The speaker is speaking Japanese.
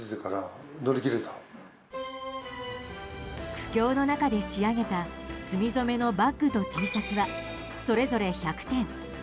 苦境の中で仕上げた炭染めのバッグとＴシャツはそれぞれ１００点。